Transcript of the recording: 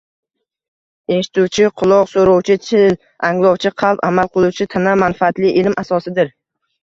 Eshituvchi quloq, so‘rovchi til, anglovchi qalb, amal qiluvchi tana manfaatli ilm asosidir.